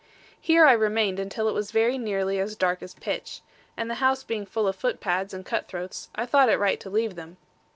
Here I remained until it was very nearly as dark as pitch; and the house being full of footpads and cutthroats, I thought it right to leave them.